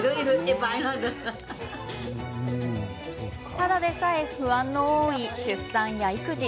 ただでさえ不安の多い出産や育児。